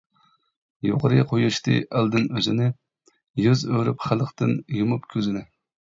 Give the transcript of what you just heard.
يۇقىرى قويۇشتى ئەلدىن ئۆزىنى، يۈز ئۆرۈپ خەلقتىن، يۇمۇپ كۆزىنى.